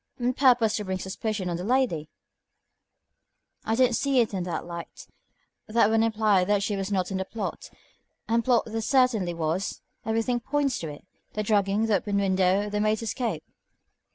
"On purpose to bring suspicion on the lady?" "I don't see it in that light. That would imply that she was not in the plot, and plot there certainly was; everything points to it. The drugging, the open window, the maid's escape."